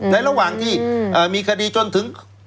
ระหว่างที่มีคดีจนถึง